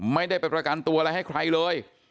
ไม่ได้ไปประกันตัวอะไรให้ใครเลย